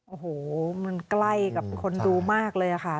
โอ้โหมันใกล้กับคนดูมากเลยค่ะ